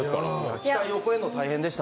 期待を超えるのが大変でした。